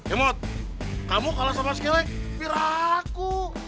imut kamu kalah sama sikil yang piraku